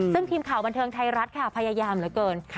ซึ่งทีมข่าวบันเทิงไทยรัฐค่ะพยายามเหลือเกิน